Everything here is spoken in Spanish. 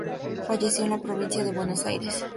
Falleció en la provincia de Buenos Aires.